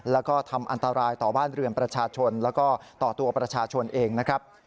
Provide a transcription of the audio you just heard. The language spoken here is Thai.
แล้วก็ทำอันตรายต่อบ้านเรือนประชาชนแล้วก็ต่อตัวประชาชนเองนะครับ